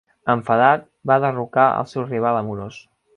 Enfadat, va derrocar el seu rival amorós.